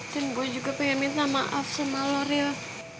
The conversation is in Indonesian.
dan gue juga pengen minta maaf sama lo ril